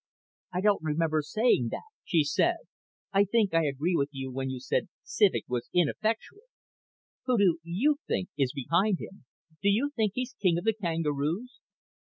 "I don't remember saying that," she said. "I think I agreed with you when you said Civek was ineffectual. Who do you think is behind him? Do you think he's king of the kangaroos?"